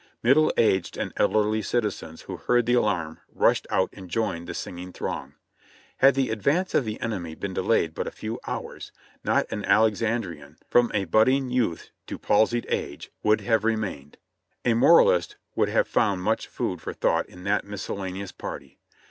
Middle aged and elderly citizens who heard the alarm rushed out and joined the singing throng. Had the advance of the enemy been delayed but a few hours, not an Alexandrian, from a budding youth to palsied age, would have remained. A moralist would have found much food for thought in that miscellaneous party.